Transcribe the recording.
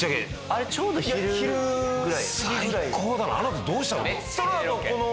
あの後どうしたの？